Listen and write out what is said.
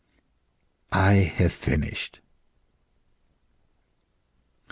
I have finished."